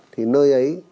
thì nơi ấy